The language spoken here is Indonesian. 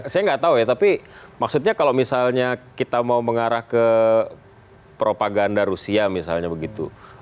saya nggak tahu ya tapi maksudnya kalau misalnya kita mau mengarah ke propaganda rusia misalnya begitu